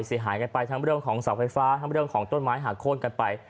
เสียหายกันไปทั้งเรื่องของเสาไฟฟ้าทั้งเรื่องของต้นไม้หักโค้นกันไป